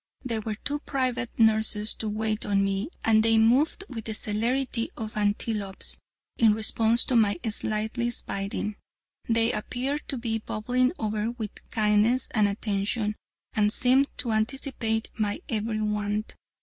There were two private nurses to wait on me, and they moved with the celerity of antelopes in response to my slightest bidding. They appeared to be bubbling over with kindness and attention, and seemed to anticipate my every want.